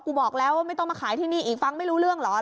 บอกแล้วว่าไม่ต้องมาขายที่นี่อีกฟังไม่รู้เรื่องเหรอ